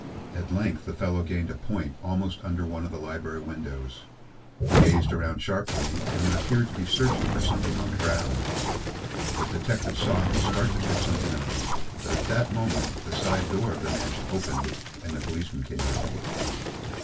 At length the fellow gained a point almost under one of the library windows. He gazed around sharply, and then appeared to be searching for something on the ground. The detective saw him start to pick something up, but at that moment the side door of the mansion opened and the policeman came out.